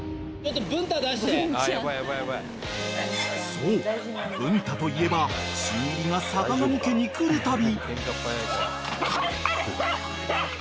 ［そう文太といえば新入りがさかがみ家に来るたび］